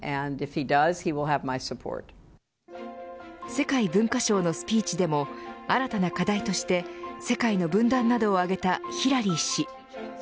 世界文化賞のスピーチでも新たな課題として、世界の分断などを挙げたヒラリー氏。